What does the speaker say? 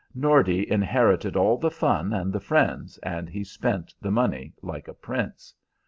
Nordy inherited all the fun and the friends, and he spent the money like a prince.